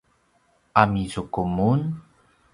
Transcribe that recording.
amizuku mun?